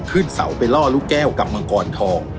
ขึ้นเสาไปล่อลูกแก้วกับมังกรทอง